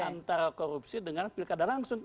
antara korupsi dengan pilkada langsung